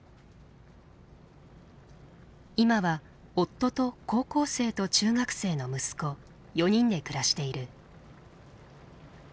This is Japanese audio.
今は夫と高校生と中学生の息子４人で暮らしている。